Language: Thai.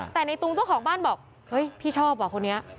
แต่ในตุงเจ้าของบ้านบอกเฮ้ยพี่ชอบว่ะคนนี้